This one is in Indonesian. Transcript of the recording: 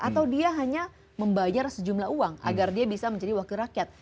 atau dia hanya membayar sejumlah uang agar dia bisa menjadi wakil rakyat